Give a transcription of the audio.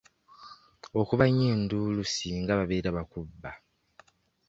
Okuba nnyo enduulu singa babeera bakubba.